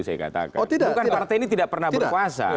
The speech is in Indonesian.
bukan partai ini tidak pernah berkuasa